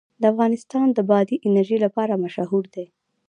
افغانستان د بادي انرژي لپاره مشهور دی.